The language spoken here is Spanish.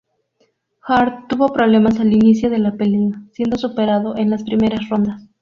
Hurd tuvo problemas al inicio de la pelea, siendo superado en las primeras rondas.